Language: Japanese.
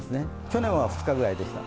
去年は２日ぐらいでした。